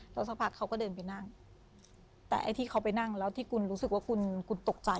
แล้วสักพักเขาก็เดินไปนั่งแต่ไอ้ที่เขาไปนั่งแล้วที่คุณรู้สึกว่าคุณคุณตกใจ